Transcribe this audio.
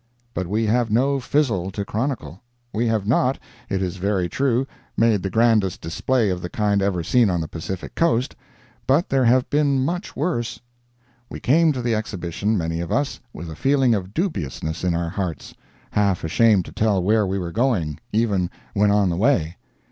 But we have no "fizzle" to chronicle. We have not, it is very true, made the grandest display of the kind ever seen on the Pacific Coast, but there have been much worse. We came to the exhibition, many of us, with a feeling of dubiousness in our hearts—half ashamed to tell where we were going, even when on the way.